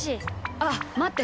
あっまって！